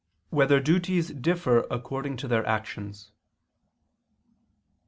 3] Whether Duties Differ According to Their Actions?